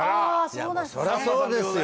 そりゃそうですよ